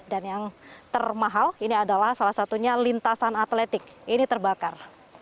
dan yang termahal ini adalah salah satunya lintasan atletik ini terbakar